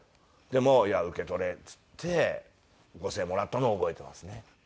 でも「いや受け取れ」って言って５０００円もらったのを覚えてますね。